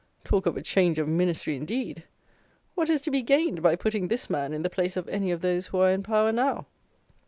Talk of a change of Ministry, indeed! What is to be gained by putting this man in the place of any of those who are in power now?